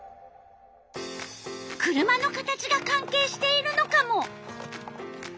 車の形が関係しているのカモ？